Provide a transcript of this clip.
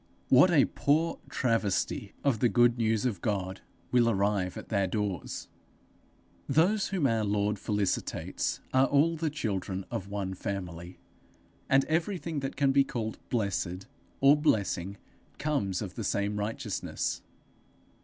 What a poor travesty of the good news of God will arrive at their doors! Those whom our Lord felicitates are all the children of one family; and everything that can be called blessed or blessing comes of the same righteousness.